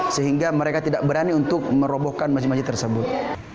sehingga mereka tidak berani untuk merobohkan masjid masjid tersebut